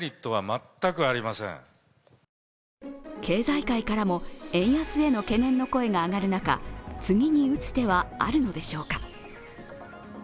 経済界からも円安への懸念の声が上がる中、次に打つ手はあるのでしょうか。